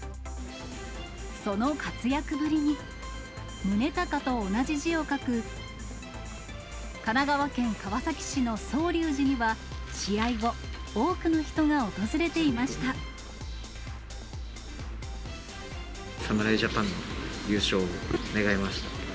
その活躍ぶりに、神奈川県川崎市の宗隆寺には、試合後、多くの人が訪れていまし侍ジャパンの優勝を願いまし